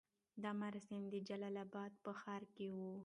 دا مراسم د جلال اباد په ښار کې وو.